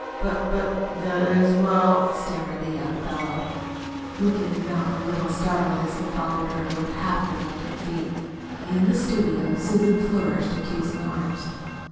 "But but that is well " stammered the young fellow, looking not a little startled as he followed her, with half reluctant feet. In the studio Susan flourished accusing arms.